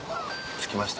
着きました。